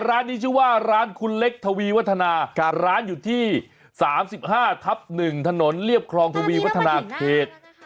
ร้านนี้ชื่อว่าร้านคุณเล็กทวีวัฒนาร้านอยู่ที่๓๕ทับ๑ถนนเรียบคลองทวีวัฒนาเขต